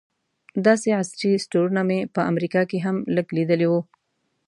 داسې عصري سټورونه مې په امریکا کې هم لږ لیدلي وو.